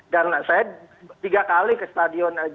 dan saya tiga kali ke stadion